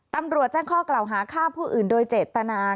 ตำรวจแจ้งข้อกล่าวหาฆ่าผู้อื่นโดยเจตนา